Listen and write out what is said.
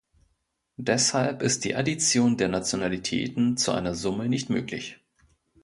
Deshalb ist die Addition der Nationalitäten zu einer Summe nicht möglich.